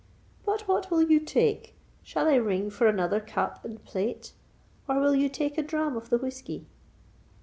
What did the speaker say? "But what will you take? shall I ring for another cup and plate? or will you take a dram of the whiskey?"